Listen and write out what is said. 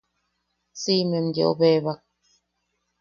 Siimem yeu bebak.